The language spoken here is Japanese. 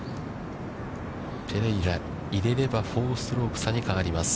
ペレイラ、入れれば４ストローク差に変わります。